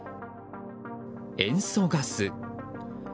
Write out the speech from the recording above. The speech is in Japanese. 塩素ガス。